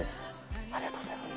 ありがとうございます。